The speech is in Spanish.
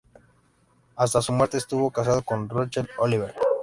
Hasta su muerte estuvo casado con Rochelle Oliver.